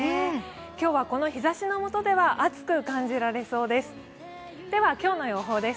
今日はこの日ざしの下では暑く感じられそうです。